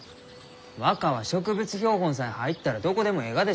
若は植物標本さえ入ったらどこでもえいがでしょうが。